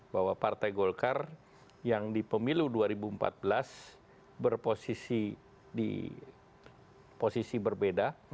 bahwa partai golkar yang di pemilu dua ribu empat belas berposisi di posisi berbeda